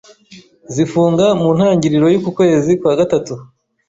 zifunga mu ntangiriro y'uku kwezi kwa gatatu